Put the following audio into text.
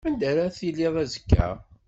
Anda ara tiliḍ azekka?